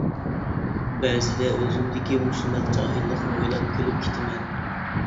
بەزىدە ئۆزۈمدىكى مۇشۇنداق جاھىللىقنى ئويلاپ كۈلۈپ كېتىمەن.